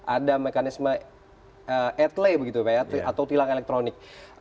ada mekanisme etle begitu pak ya atau tilang elektronik